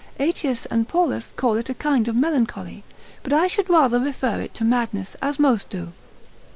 Aetius and Paulus call it a kind of melancholy; but I should rather refer it to madness, as most do.